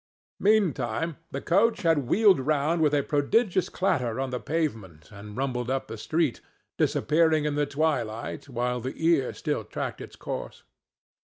Meantime, the coach had wheeled round with a prodigious clatter on the pavement and rumbled up the street, disappearing in the twilight, while the ear still tracked its course.